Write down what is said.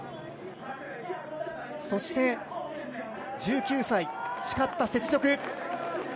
そして１９歳、誓った雪辱。